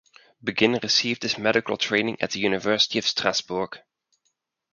Begin received his medical training at the University of Strasbourg.